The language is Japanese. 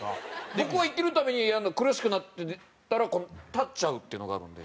僕は生きるために苦しくなったら立っちゃうっていうのがあるんですよ。